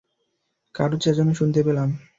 কারো চেঁচানো শুনতে পেলাম।